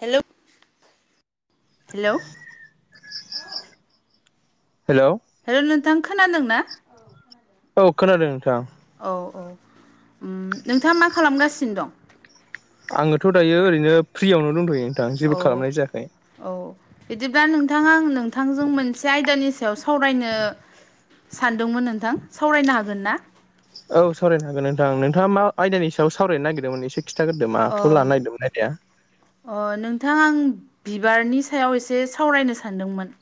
Hello hello hello hello नोंथां खोनादों ना औ खोनादों नोंथां औ औ उम नोंथाङा मा खालामगासिनो दं आङोथ दायो ओरैनो फ्रियावनो दंथयो नोंथां औ जेबो खालामनाय जायाखै औ बिदिब्ला नोंथां आं नोंथांजों मोनसे आयदानि सायाव सावरायनो सानदोंमोन नोंथां सावरायनो हागोन ना औ सावरायनो हागोन नोंथां नोंथाङा मा आयदानि सायाव सावरायनो नागिरदोंमोन एसे खिथा गोरदो अ माखौ लानो नागिरदोंमोन आयदाया अ नोंथां आं बिबारनि सायाव एसे सावरायनो सानदोंमोन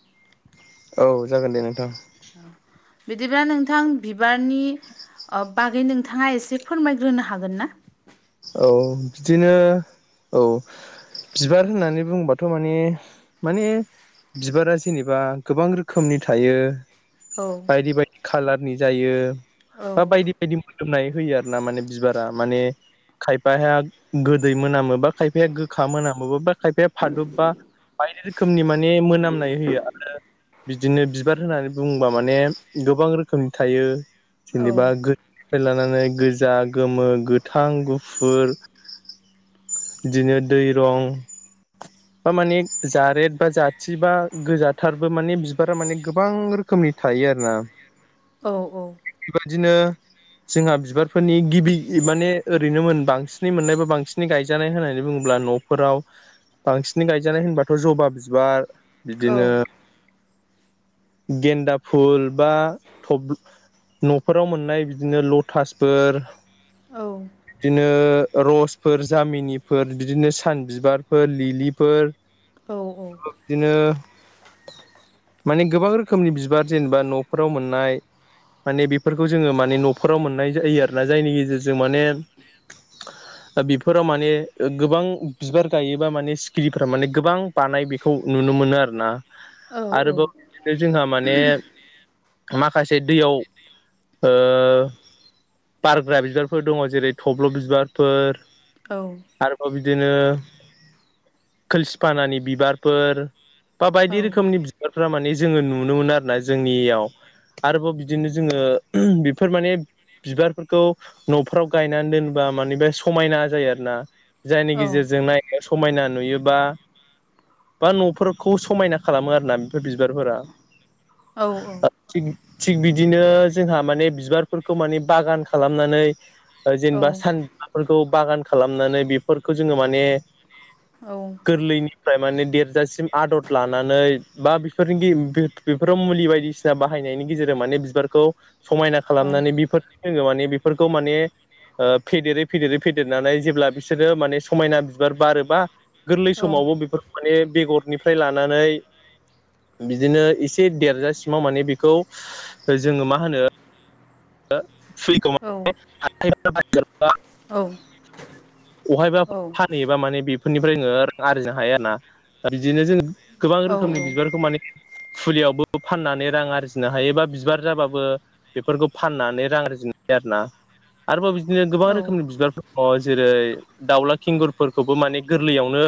औ जागोन दे नोंथां बिदिब्ला नोंथां बिबारनि बागै नों थाङा एसे फोरमायग्रोनो हागोन ना औ बिदिनो औ बिबार होननानै बुंबाथ माने माने बिबारा जेनेबा गोबां रोखोमनि थायो औ बायदि बायदि कालारनि जायो बा औ बायदि बायदि मोदोमनाय होयो आरोना माने बिबारा माने खायफाया गोदै मोनामो बा खायफाया गोखा मोनामो बो बा खायफाया फादब बा बायदि रोखोमनि माने मोनामनाय होयो आरो बिदिनो बिबार होननानै बुंङोबा माने गोबां रोखोमनि थायो जेनेबा औ गो फ्राय लानानै गोजा गोमो गोथां गुफुर बिदिनो दै रं बा माने जारेत बा जाथि बा गोजाथारबो माने बिबारा माने गोबां रोखोम रोखोमनि थायो आरो ना औ औ बेबायदिनो जोंहा बिबारफोरनि गिबि माने ओरैनो मोन बांसिनै मोननाय बा बांसिनै गायजानाय होननानै बुङोब्ला न' फोराव बांसिन गायजानाय होनबाथ जबा बिबार औ बिदिनो [inaudible] गेन्दा फुल बा थ न'फोराव मोननाय बिदिनो लटासफोर औ बिदिनो रसफोर जामिनिफोर बिदिनो सान बिबारफोर लिलिफोर औ औ बिदिनो माने गोबां रोखोमनि बिबार जेनेबा न'फोराव मोननाय माने बेफोरखौ जोङो माने न'फोराव मोननाय जायो आरोना जायनि गेजेरजों जों माने बिफोराव माने गोबां बिबार गायोबा माने सिखिरिफोरा माने गोबां बानाय बेखौ नुनो मोनो आरोना औ आरोबाव जोंहा माने माखासे दैयाव ओ बारग्रा बिबारफोर दङ जेरै थब्ल' बिबारफोर औ आरोबाव बिदिनो खोलसिफानानि बिबारफोर बा औ बायदि रोखोमनि बारफ्रा माने जोङो नुनो मोनो आरो ना जोंनियाव आरोबाव बिदिनो जोङो बेफोर माने बिबारफोरखौ न'फ्राव गायनानै दोनोबा मानि बे समायना जायो आरोना जायनि गेजेरजों औ नायनो समायना नुयोबा बा न'फोरखौ समायना खालामो आरो ना बेफोर बिबारफोरा औ औ थिग थिग बिदिनो जोंहा माने बिबारफोरखौ माने बागान खालामनानै जेनेबा सान बिबारफोरखौ बागान खालामनानै बेफोरखौ जोङो माने औ गोरलैनिफ्राय माने देरजासिम आदर लानानै बा बिफोरनि बेफोराव मुलि बायदिसिना बाहायनायनि गेजेरजों माने बिबारखौ समायना खालामनानै बेफोर जोङो माने बेफोरखौ माने ओ फेदेरै फेदेरै फेदेरनानै जेब्ला बिसोरो माने समायना बिबार बारोबा गोरलै समावबो बेफोरखौ माने बेगरनिफ्राय लानानै बिदिनो एसे देरजासिमाव माने बेखौ जोङो मा होनो फ्रिखौ [unintelligible] औ अहायबा फा नैबा माने बेफोरनिफ्राय नोङो आरजिनो हायो आरोना बिदिनो जोङो गोबां रोखोमनि बिबारखौ माने फुलियावबो फाननानै रां आरजिनो हायोबा बिबार जाबाबो बेफोरखौ फाननानै रां आरजिनो हायो आरोना आरोबाव बिदिनो गोबां रोखोमनि बिबारफोर अ जेरै दाउला खिंगुरफोरखौबो माने गोरलैयावनो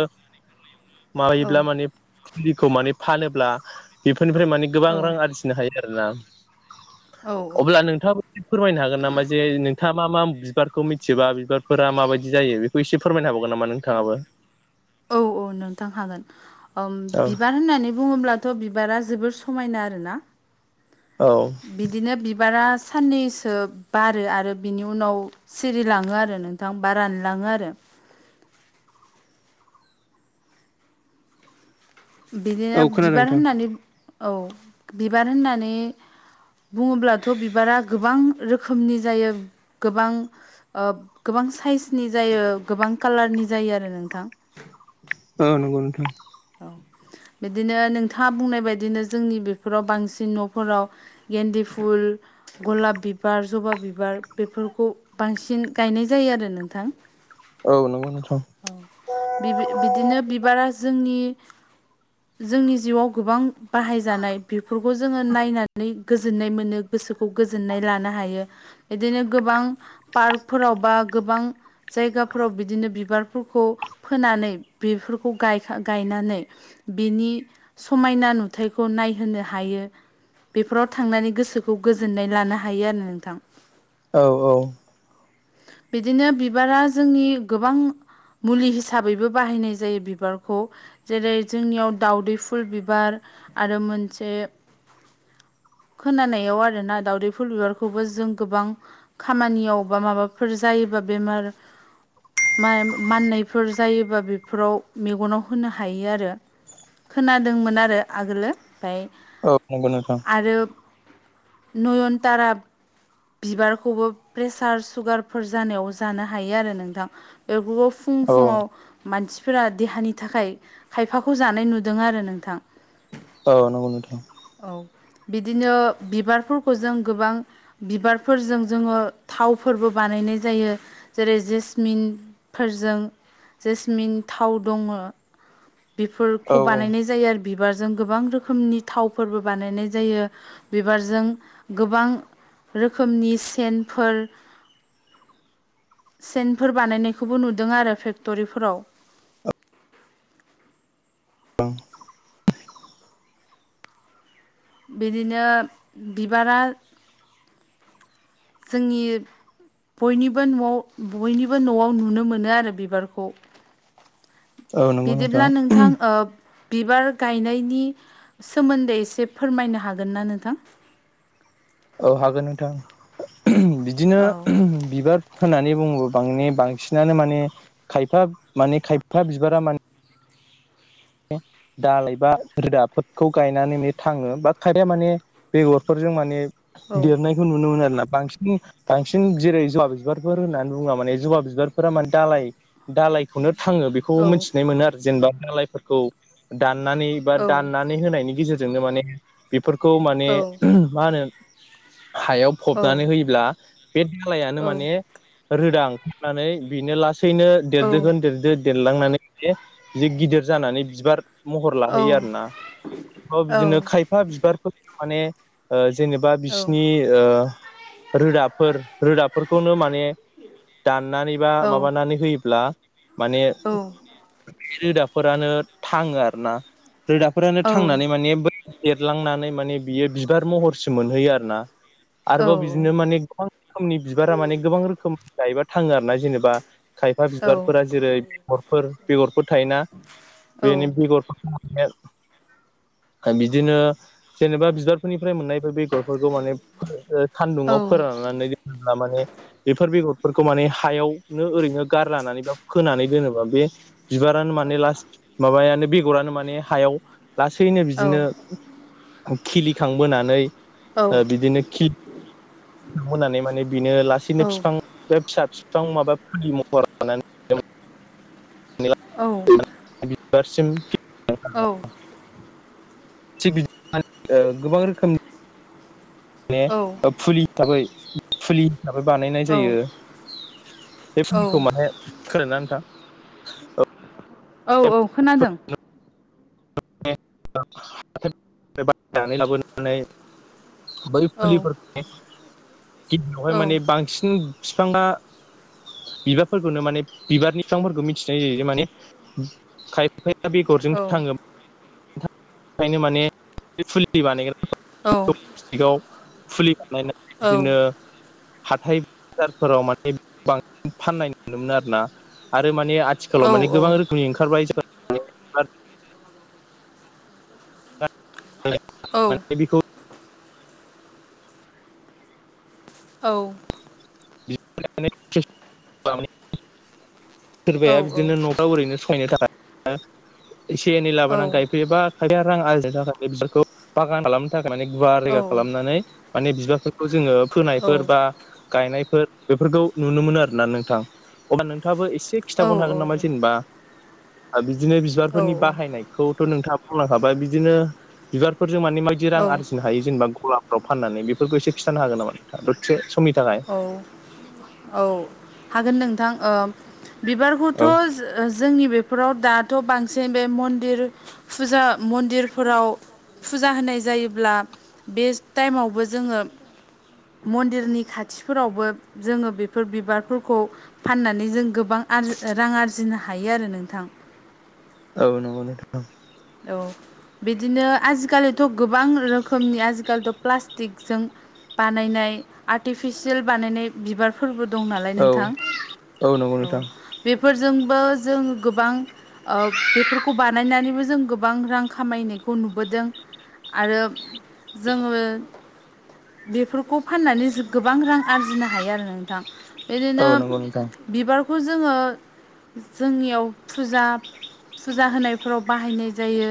माबायोब्ला माने फुलिखौ माने फानोब्ला बेफोरनिफ्राय माने गोबां रां आरजि नो हायो आरोना औ अब्ला औ नोंथाङा फोरमायनो हागोन नामा जे नोंथाङा मा मा बिबारखौ मिथिबा बिबारफोरा माबायदि जायो बेखौ एसे फोरमायनो हाबावगोन नामा नों औ औ नोंथां हागोन औ बिबार होननानै बुङोब्ला थ' बिबारा जोबोर समायना आरोना औ बिदिनो बिबारा साननैसो बारो आरो बिनि उनाव सिरिलाङो आरो नोंथां बा रानलाङो आरो औ बिदिनो खोनादों बिबार नोंथां होननानै औ बिबार होननानै बुङोब्लाथ' बिबारा गोबां रोखोमनि जायो गोबां ओ गोबां साइसनि जायो गोबां कालारनि जायो आरो नोंथां औ नंगौ नोंथां बिदिनो नोंथाङा बुंनाय बायदिनो जोंनि बेफोराव बांसिन न'फोराव गेन्दे फुल गलाब बिबार जबा बिबार बेफोरखौ बांसिन गायनाय जायो आरो नोंथां औ नंगौ नोंथां बिबो बिदिनो बिबारा जोंनि जोंनि जिउआव गोबां बाहाय जानाय बेफोरखौ जोङो नायनानै गोजोननाय मोनो गोसोखौ गोजोननाय लानो हायो बिदिनो गोबां पार्कफोरावबा गोबां जायगाफोराव बिदिनो बिबारफोरखौ फोनानै बेफोरखौ गायखां गायनानै बिनि समायना नुथायखौ नायहोनो हायो बेफोराव थांनानै गोसोखौ गोजोननाय लानो हायो आरोना नोंथां औ औ बिदिनो बिबारा जोंनि गोबां मुलि हिसाबैबो बाहायनाय जायो बिबारखौ जेरै जोंनियाव दावदै फुल बिबार आरो मोनसे खोनानायाव आरोना दावउदै फुल बिबारखौबो जों गोबां खामानियाव बा माबाफोर जायोबा बेमार मा माननायफोर जायोबा बेफोराव मेगनाव होनो हायो आरो खोनादोंमोन आरो आगोलो ओमफाय औ नंगौ नोंथां आरो नयनतारा बिबारखौबो प्रेसार सुगारफोर जानायाव जानो हायो आरो नोंथां बे [unintelligible] फुं फुङाव मानसिफोरा देहानि थाखाय खायफाखौ जानाय नुदों आरो नोंथां औ नंगौ नोंथां औ बिदिनो बिबारफोरखौ जों गोबां बिबारफोरजों जोङो थावफोरबो बानायनाय जायो जेरै जेसमिन फोरजों जेसमिन थाव दङो औ बिफोरखौ औ बानायनाय जायो आरो बिबारजों गोबां रोखोमनि थावफोरबो बानायनाय जायो, बिबारजों गोबां रोखोमनि सेनफोर सेनफोर बानायनायखौबो नुदों आरो फेक्ट'रिफोराव [unintelligible] बिदिनो बिबारा जोंनि बयनिबो न'आव बयनिबो न'आव नुनो मोनो आरो बिबारखौ औ नंगौ बिदिब्ला नोंथां ओ बिबार गायनायनि सोमोन्दै एसे फोरमायनो हागोन ना नोंथां? औ हागोन नोंथां बिदिनो औ बिबार होननानै बुङो बां बांसिनानो माने खायफा माने खायफा बिबारा माने दालायबा रोदाफोरखौ गायनानैनो थाङो बा खायफाया माने बेगरफोरजों माने औ देरनायखौ नुनो मोनो आरोना बांसिन बांसिन जेरै ज'बा बिबारफोर होननानै बुंबा माने ज'बा बिबारफोरा माने दालाय दालायखौनो थाङो बे खौ औ मोनथिनाय मोनो आरो जेनबा दालायफोरखौ दाननानै बा औ दानना होनायनि गेजेरजोंनो माने बेफोरखौ माने औ मा होनो हायाव औ फ'बनानै होयोब्ला बे दालायानो औ माने रोदा ओंखारनानै बिनो लासैनो औ देरदोखोन देरदो देरलांनानै माने बिदि गिदिर जानानै बिबार महर औ लाहैयो आरोना [unintelligible] बिदिनो खाय औ फा बिबारफोरखौ माने ओ जेनेबा औ बिसिनि ओ रोदाफोर रोदाफोरखौनो माने दाननानै बा औ माबानानै होयोब्ला माने बिनि रोदाफोरानो थाङो आरोना रोदा फोरानो थांनानै माने बै देरलांनानै माने बियो बिबार महरसिम मोनहैयो आरोना आरोबाव बिदिनो माने गोबां रोखोमनि बिबारा माने गोबां रोखोम गायोबा थाङो आरोना जेनेबा खायफा बिबारफोरा जेरै बेगरफोर बेगरफोर थायोना [inaudible] बेनि बेगर [unintelligible] [unintelligible] बिदिनो जेनेबा बिबारफोरनिफ्राय मोननाय बेगरफोरखौ माने फो ओ सान्दुङाव औ फोराननानै दोनोब्ला माने बेफोर बेगरफोरखौ माने हायावनो ओरैनो गारलानानै बा फोनानै दोनोबा बे बिबारानो माने लास माबायानो बेगरानो माने हायाव लासैनो औ बिदिनो खिलिखांबोनानै औ बिदिनो खिलिबोनानै माने बिनो औ लासैनो बिफां बे फिसा बिफां माबा फुलि महर लानानै औ। बिबारसिम। औ। थिग गोबां रोखोमनि औ माने फुलि हिसाबै फुलि हिसाबै बानायनाय औ जायो बे औ फुलिखौ माहाय खोनादों ना नोंथां? औ। औ औ खोनादों। बायनानै लाबोनानै बै औ फुलि औ गिबियावहाय माने बांसिन बिफांङा बिबारफोरखौनो माने बिबारनि बिफांफोरखौ मिथिनाय जायोे माने खायफाया औ बेगरजोंसो थाङो ओंखायनो माने फुलि औ बानायग्रा फुलि बानाय औ बिदिनो हाथथाय बाजारफोराव माने बांसिन फाननाय नुोमोन आरो ना आरो माने औ आथिखालाव औ मान गोबां रखोमनि ओखारबाय माने बेखौ औ। सोरबाया बिदिनो न' ओरैनो सहायनो थाखाय एसे एनै लाबोनानै गायफैयोबा खाया रां आरजिनो थाखाय बिखौ बागान खालामनो थाखाय माने गुवार रेगा खालामनानै माने बिबारफोरखौ जोङो औ फोनायफोर बा गायनाय फोर बेफोरखौ नुनो मोनो आरोना नोंथां अब्ला नोंथाङाबो एसे खिथाबावनो औ हागोन नामा? जेनेबा बिदिनो बिबारफोरनि बाहायनायखौथ' नोंथाङा बुंलांखाबाय बिदिनो बिबारफोरजों माने माइ बिदि रां आरजिनो हायो जेनेबा गलाफ्राव फाननानै बेफोरखौ एसे खिथानो हागोन नामा नों दसे समनि थाखाय औ हागोन नोंथां बिबारखौथ' औ जोंनि बेफोराव दाथ' बांसिन बे मन्दिर फुजा मन्दिरफोराव फुजा होनाय जायोब्ला बे टाइमावबो जोङो मन्दिरनि खाथिफोरावबो जोङो बेफोर बिबारफोरखौ खौ फाननानै जों गोबां आरजि रां आरजिनो हायो आरो नोंथां। औ नंगौ। औ बिदिनो आजिखालिथ' गोबां रोखोमनि आजिखालिथ' प्लास्टिकजों बानायनाय आर्टिफिसियेल बानायनाय बिबारफोरबो दं नालाय औ नोंथां नंगौ औ। नोंथां बेफोरजोंबो जों गोबां बेफोरखौ बानायनानैबो जों गोबां रां खामायनायखौ नुबोदों आरो जोङो बेफोरखौ फाननानै गोबां रां आरजिनो हायो आरो नोंथां। औ बिदिनो नंगौ नोंथां बिबारखौ जोङो जोंनियाव फुजा फुजा होनायफोराव बाहायनाय जायो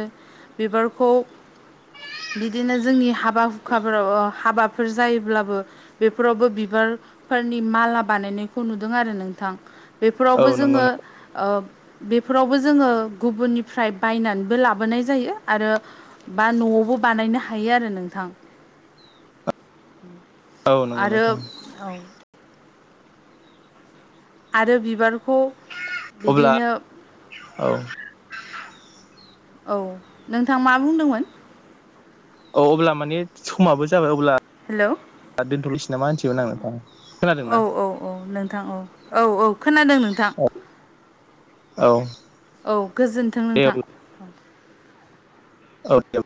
बिबारखौ बिदिनो जोंनि हा बाबा हुखाफोराव हाबाफोर जायोब्लाबो बेफोरावबो बिबारफोरनि माला बानायनायखौ नुदों आरो नोंथां। औ बेफोरावबो नंगौ जोङो बेफोरावबो जोङो गुबुननिफ्राय बायनानै बो लाबोनाय जायो आरो बा न'आवबो बानायनो हायो आरो नोंथां। औ नंगौ आरो नोंथां औ। आरो बिबारखौ अब्ला बिदिनो। औ औ नोंथां मा बुंदोंमोन। औ अब्ला माने समाबो जाबाय अब्ला हेलौ औ [unintelligible] नोंथां खोनादों ना औ औ नोंथां औ औ औ खोनादों नोंथां औ औ औ गोजोनथों दे नोंथां औ [unintelligible]